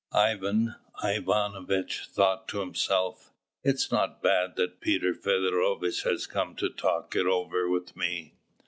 Ivan Ivanovitch thought to himself, "It's not bad that Peter Feodorovitch has come to talk it over with me."